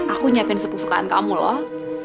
aku nyiapin sup kesukaan kamu loh